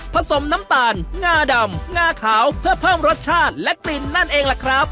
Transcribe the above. สมน้ำตาลงาดำงาขาวเพื่อเพิ่มรสชาติและกลิ่นนั่นเองล่ะครับ